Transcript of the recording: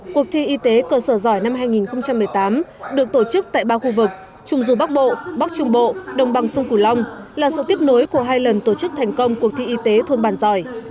cuộc thi y tế cơ sở giỏi năm hai nghìn một mươi tám được tổ chức tại ba khu vực trung du bắc bộ bắc trung bộ đồng bằng sông cửu long là sự tiếp nối của hai lần tổ chức thành công cuộc thi y tế thôn bàn giỏi